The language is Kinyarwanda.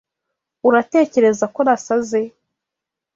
Uratekereza ko nasaze?